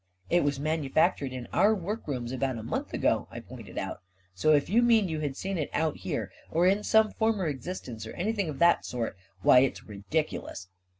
" It was manufactured in our workrooms about a month ago," I pointed out, " so if you mean you had seen it out here, or in some former existence, or any thing of that sort — why, it's ridiculous